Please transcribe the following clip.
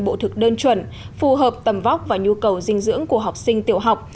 bộ thực đơn chuẩn phù hợp tầm vóc và nhu cầu dinh dưỡng của học sinh tiểu học